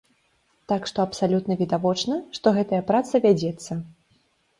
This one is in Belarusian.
Так што абсалютна відавочна, што гэтая праца вядзецца.